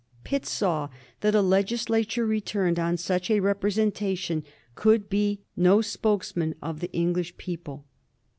Pitt saw that a legislature returned on such a representation could be no spokesman of the English people.